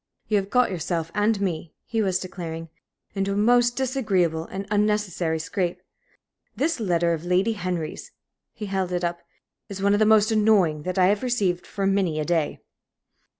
"You have got yourself and me," he was declaring, "into a most disagreeable and unnecessary scrape. This letter of Lady Henry's" he held it up "is one of the most annoying that I have received for many a day.